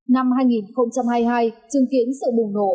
năm hai nghìn hai mươi hai chứng kiến sự bùng nổ